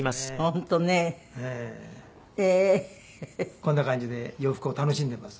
こんな感じで洋服を楽しんでいます。